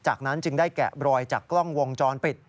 จากนั้นจึงได้แกะบรอยจากกล้องวงจรปิด